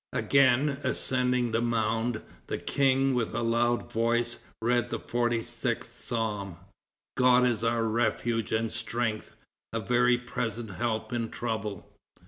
Again ascending the mound, the king, with a loud voice, read the forty sixth Psalm: "God is our refuge and strength, a very present help in trouble.